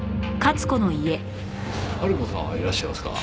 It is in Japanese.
春子さんはいらっしゃいますか？